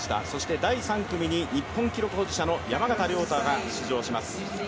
第３組に日本記録保持者の山縣亮太が出場します。